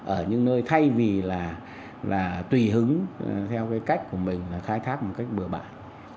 ở những nơi thay vì là tùy hứng theo cái cách của mình là khai thác một cách bừa bãi